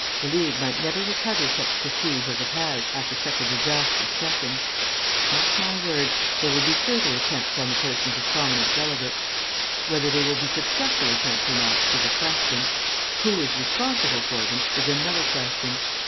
The League might never recover such prestige as it has, after such a disastrous session. Mark my words; there will be further attempts on the persons of prominent delegates. Whether they will be successful attempts or not is a question. Who is responsible for them is another question.